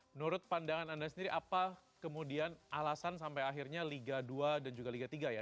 menurut pandangan anda sendiri apa kemudian alasan sampai akhirnya liga dua dan juga liga tiga ya